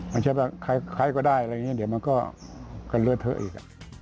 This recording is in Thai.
ไม่ใช่ว่าใครก็ได้อะไรอย่างนี้เดี๋ยวมันก็กันเลือกเถอะอีก